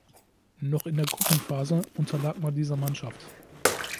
Noch in der Gruppenphase unterlag man dieser Mannschaft.